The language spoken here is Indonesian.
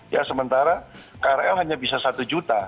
ya sementara krl hanya bisa satu juta